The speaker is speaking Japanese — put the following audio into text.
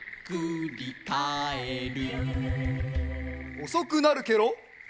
おそくなるケロ。